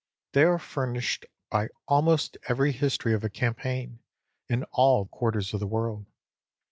They are furnished by almost every history of a campaign, in all quarters of the world.